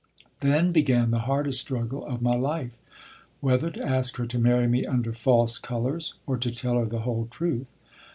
Then began the hardest struggle of my life, whether to ask her to marry me under false colors or to tell her the whole truth.